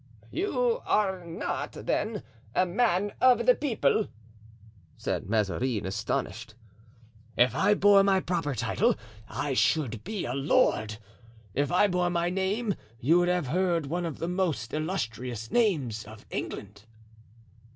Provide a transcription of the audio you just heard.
"You are not, then, a man of the people?" said Mazarin, astonished. "If I bore my proper title I should be a lord. If I bore my name you would have heard one of the most illustrious names of England."